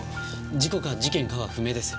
事故か事件かは不明です。